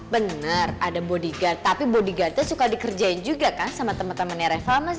bener ada bodiga tapi bodigannya suka dikerjain juga kan sama teman temannya reva mas